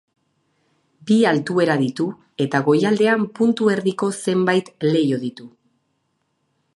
Bi altuera ditu eta goialdean puntu erdiko zenbait leiho ditu.